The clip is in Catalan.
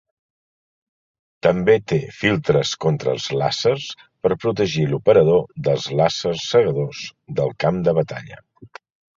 També té filtres contra els làsers per protegir l'operador dels làsers cegadors del camp de batalla.